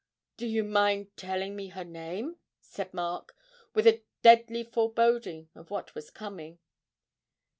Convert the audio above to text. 'Do you mind telling me her name?' said Mark, with a deadly foreboding of what was coming.